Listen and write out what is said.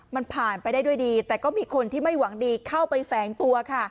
มันผ่านไปได้ด้วยดีแต่ก็มีคนที่ไม่หวังดีเข้าไปแฝงตัวค่ะ